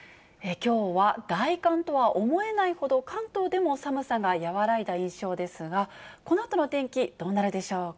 きょうは大寒とは思えないほど、関東でも寒さが和らいだ印象ですが、このあとの天気、どうなるでしょうか。